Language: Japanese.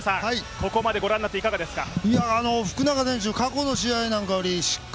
ここまで御覧になっていかがですか。